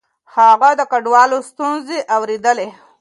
هغه د کډوالو ستونزې اورېدلې.